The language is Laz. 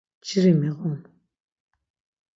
Nciri miğun.